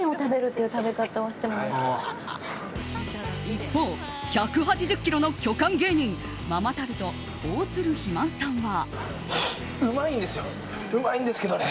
一方、１８０ｋｇの巨漢芸人ママタルト、大鶴肥満さんは。